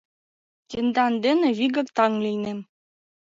Тендан дене вигак таҥ лийнем.